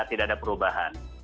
tidak ada perubahan